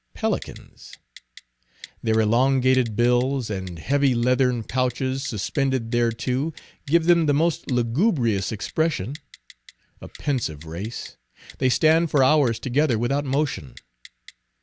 Pelicans. Their elongated bills, and heavy leathern pouches suspended thereto, give them the most lugubrious expression. A pensive race, they stand for hours together without motion.